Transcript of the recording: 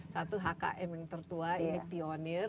satu hkm yang tertua ini pionir